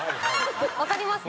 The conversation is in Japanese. わかりますか？